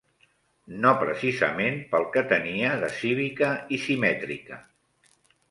No precisament pel que tenia de cívica i simètrica